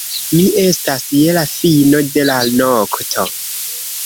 Mi estas je la fino de la nokto.